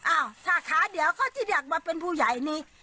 อ้าวถ้าขาเดียวเขาจะเรียกว่าเป็นผู้ใหญ่นี้